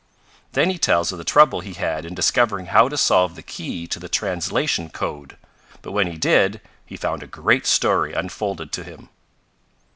"Then he tells of the trouble he had in discovering how to solve the key to the translation code; but when he did, he found a great story unfolded to him.